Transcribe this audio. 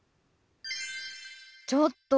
ちょっと！